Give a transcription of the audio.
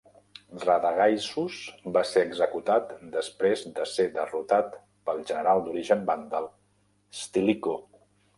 Radagaisus va ser executat després de ser derrotat pel general d'origen vàndal Stilicho.